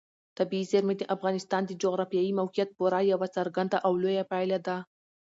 طبیعي زیرمې د افغانستان د جغرافیایي موقیعت پوره یوه څرګنده او لویه پایله ده.